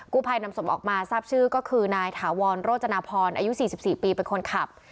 ผู้ภัยนำศพออกมาทราบชื่อก็คือนายถาวรโรจนาพรอายุ๔๔ปีเป็นคนขับ